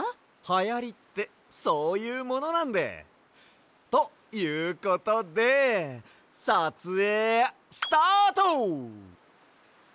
はやりってそういうものなんで。ということでさつえいスタート！